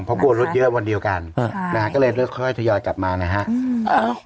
เพราะกลัวรถเยอะวันเดียวกันก็เลยค่อยทยอยกลับมานะฮะ